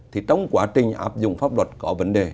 thì trong quá trình áp dụng pháp luật có vấn đề